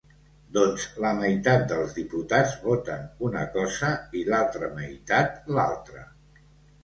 Doncs la meitat dels diputats voten una cosa i l’altra meitat, l’altra.